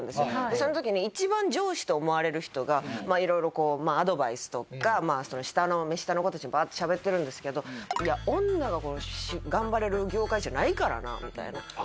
その時に一番上司と思われる人が色々アドバイスとか下の子たちにバーッとしゃべってるんですけどいや女が頑張れる業界じゃないからなみたいな。